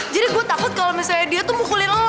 jadi gue takut kalau misalnya dia tuh mukulin lo